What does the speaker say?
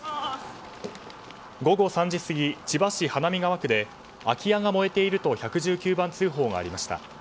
午後３時過ぎ、千葉市花見川区で空き家が燃えていると１１９番通報がありました。